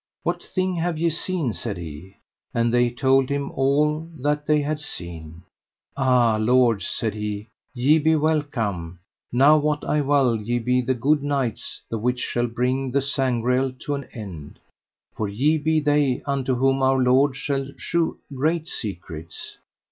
What thing have ye seen? said he. And they told him all that they had seen. Ah lords, said he, ye be welcome; now wot I well ye be the good knights the which shall bring the Sangreal to an end; for ye be they unto whom Our Lord shall shew great secrets.